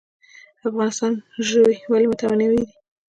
د افغانستان ژوي ولې متنوع دي؟